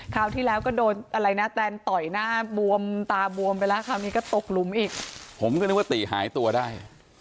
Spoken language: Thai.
ไปแล้วคราวนี้ก็ตกหลุมอีกผมก็นึกว่าตีหายตัวได้